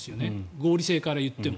合理性から言っても。